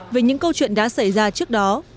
về những câu chuyện đã xảy ra trước đó